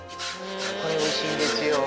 これ美味しいんですよ。